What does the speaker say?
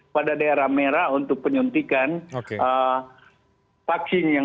pada daerah merah untuk penyuntikan vaksin yang